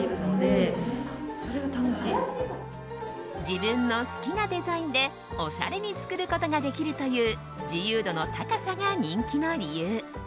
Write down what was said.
自分の好きなデザインでおしゃれに作ることができるという自由度の高さが人気の理由！